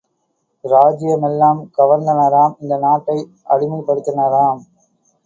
இராஜ்ஜிய மெல்லாம் கவர்ந்தனராம் இந்த நாட்டை அடிமைப் படுத்தினராம்!